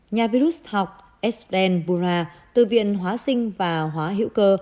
nhà vi rút học esten burra từ viện hóa sinh và hóa hiệu cơ